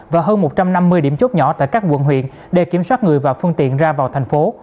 và hơn một trăm năm mươi điểm chốt nhỏ tại các quận huyện để kiểm soát người và phương tiện ra vào thành phố